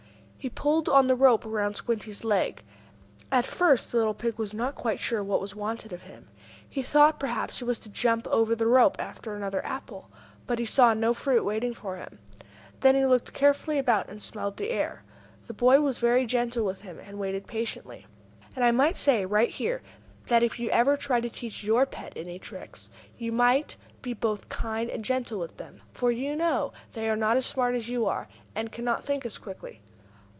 He pulled on the rope around Squinty's leg. At first the little pig was not quite sure what was wanted of him. He thought perhaps he was to jump over the rope after another apple. But he saw no fruit waiting for him. Then he looked carefully about and smelled the air. The boy was very gentle with him, and waited patiently. And I might say, right here, that if you ever try to teach your pets any tricks, you must be both kind and gentle with them, for you know they are not as smart as you are, and cannot think as quickly.